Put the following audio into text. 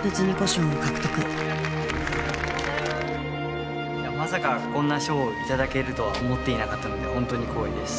賞」を獲得いやまさかこんな賞を頂けるとは思っていなかったのでホントに光栄です。